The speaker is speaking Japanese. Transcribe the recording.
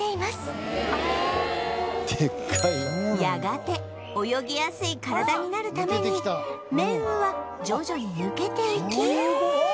やがて泳ぎやすい体になるために綿羽は徐々に抜けていき